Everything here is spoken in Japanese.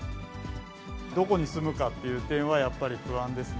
どこに住むかっていう点はやっぱり不安ですね。